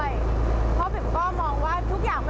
เพราะผมก็มองว่าทุกอย่างมันไม่สามารถจะเป็นเคิฟอย่างนี้